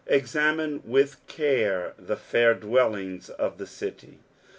'^ Examine with care the fair dwttllinga of the citj.